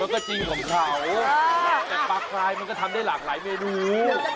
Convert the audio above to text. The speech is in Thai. ก็จริงของเขาแต่ปลากรายมันก็ทำได้หลากหลายเมนู